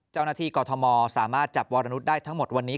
เจ้าหน้าที่กอทมสามารถจับวรนุษย์ได้ทั้งหมดวันนี้